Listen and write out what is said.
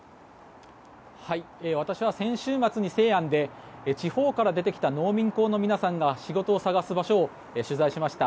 私は先週末に西安で地方から出てきた農民工の皆さんが仕事を探す場所を取材しました。